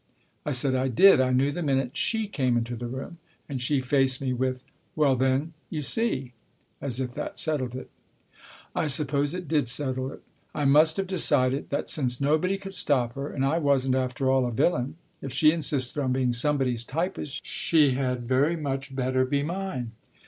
I said I did ; I knew the minute she came into the room. And she faced me with, " Well then, you see !" as if that settled it. I suppose it did settle it. I must have decided that since nobody could stop her, and I wasn't, after all, a villain, if she insisted on being somebody's typist, she had very much better be mine.